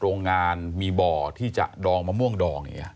โรงงานมีบ่อที่จะดองมะม่วงดองอย่างนี้